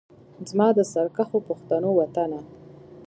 زما د سرکښو پښتنو وطنه